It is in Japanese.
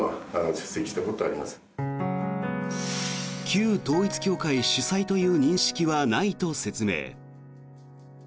旧統一教会主催という認識はないと説明。